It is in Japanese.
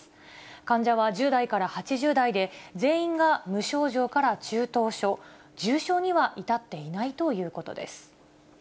患者は１０代から８０代で、全員が無症状から中等症、重症には至っていないということです。